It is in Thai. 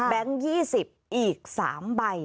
แบงค์๒๐อีก๓ใบ